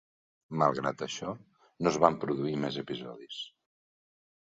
Malgrat això, no es van produir més episodis.